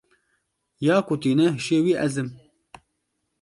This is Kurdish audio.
Ya ku tîne hişê wî ez im.